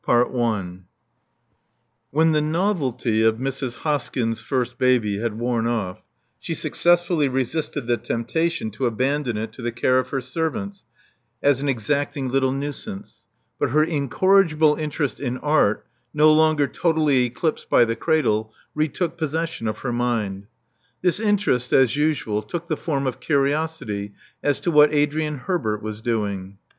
CHAPTER III When the novelty of Mrs. Hoskyn's first baby had worn off, she successfully resisted the temptation to abandon it to the care of her servants, as an exacting little nuisance ; but her incorrigible interest in art, no longer totally eclipsed by the cradle, retook possession of her mind. This interest, as usual, took the form of curiosity as to what Adrian Herbert was doing.